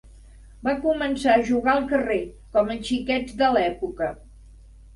Va començar a jugar al carrer, com els xiquets de l'època.